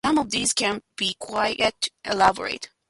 Some of these can be quite elaborate.